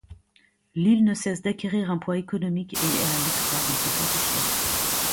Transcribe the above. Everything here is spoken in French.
Lille ne cesse d'acquérir un poids économique et est à l’étroit dans ses fortifications.